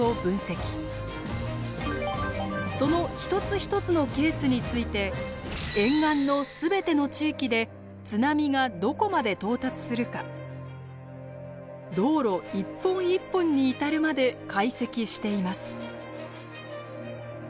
その一つ一つのケースについて沿岸の全ての地域で津波がどこまで到達するか道路一本一本に至るまで解析しています。